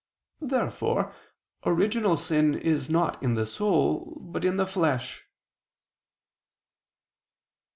Therefore original sin is not in the soul, but in the flesh.